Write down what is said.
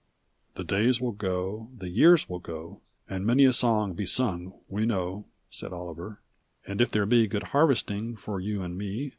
"The days will go, the years will go. And many a song be sung, we know," Said Oliver; "and if there be Good harvesting for you and me.